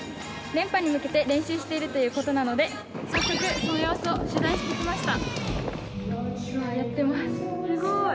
連覇に向けて練習しているということなので、早速その様子を取材してきました。